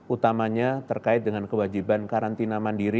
utamanya terkait dengan kewajiban karantina mandiri